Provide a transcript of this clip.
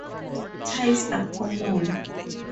Ties are common.